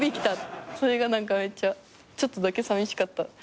それが何かめっちゃちょっとだけさみしかった。